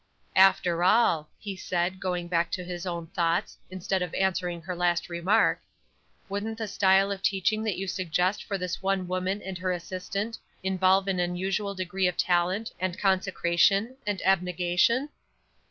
"After all," he said, going back to his own thoughts, instead of answering her last remark, "wouldn't the style of teaching that you suggest for this one woman and her assistant involve an unusual degree of talent, and consecration, and abnegation?"